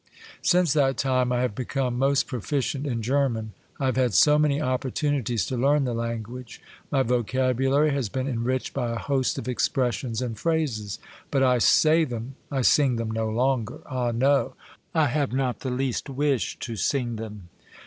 Since that time I have become most proficient m German; I have had so many opportunities to learn the language. My vocabulary has been en riched by a host of expressions and phrases ; but I say them, I sing them no longer ! Ah, no ! I have not the least wish to sing them.